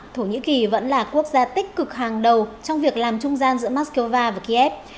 thổ nhĩ kỳ vẫn là quốc gia tích cực hàng đầu trong việc làm trung gian giữa moscow và kiev